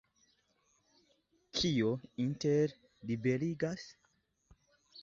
Kio interne liberigas?